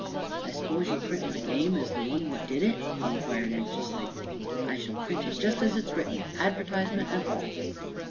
"I s'pose you'll print my name as the one what did it?" he inquired anxiously. "I shall print it just as it's written, advertisement and all."